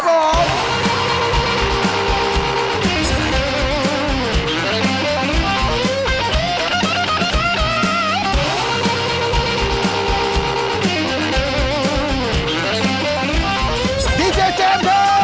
เสียงที่มาี